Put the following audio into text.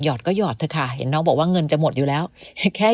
อดก็หอดเถอะค่ะเห็นน้องบอกว่าเงินจะหมดอยู่แล้วแค่